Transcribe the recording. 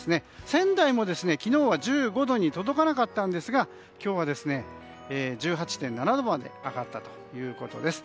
仙台も昨日は１５度に届かなかったんですが今日は１８．７度まで上がったということです。